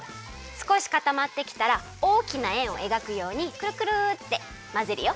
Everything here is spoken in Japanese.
すこしかたまってきたらおおきなえんをえがくようにくるくるってまぜるよ。